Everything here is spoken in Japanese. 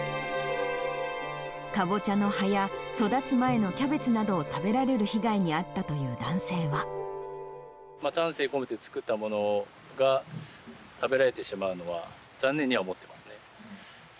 カボチャの葉や育つ前のキャベツなどを食べられる被害に遭ったと丹精込めて作ったものが、食べられてしまうのは、残念には思ってますね。